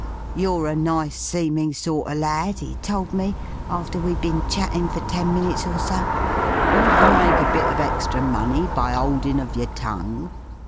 'You're a nice seemin' sort er lad,' he tole me after we'd bin chattin' fer ten minutes or so. 'Want ter make a bit of extra money by 'oldin' of your tongue?'